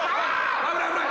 危ない。